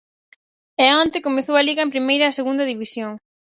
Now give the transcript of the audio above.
E onte comezou a Liga en primeira e Segunda División.